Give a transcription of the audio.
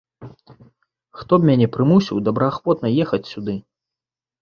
Хто б мяне прымусіў добраахвотна ехаць сюды?!